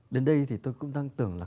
đến đây thì tôi cũng đang tưởng là